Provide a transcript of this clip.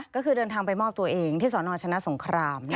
ก็คือเดินทางไปมอบตัวเองที่สนชนะสงคราม